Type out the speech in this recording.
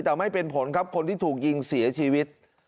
แต่ไม่เป็นผลครับคนที่ถูกยิงเสียชีวิต